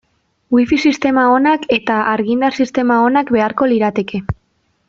Wifi sistema onak eta argindar sistema onak beharko lirateke.